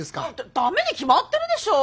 ダメに決まってるでしょう。